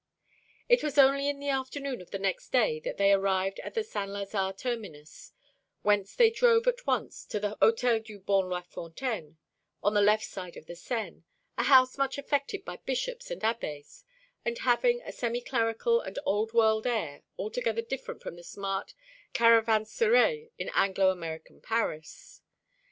It was only in the afternoon of the next day that they arrived at the Saint Lazare terminus, whence they drove at once to the Hôtel du Bon Lafontaine, on the left side of the Seine, a house much affected by bishops and abbés, and having a semi clerical and old world air altogether different from the smart caravanserais in Anglo American Paris.